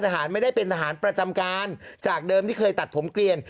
ไม่ได้เป็นทหารประจำการจากเดิมที่เคยตัดผมเกลียน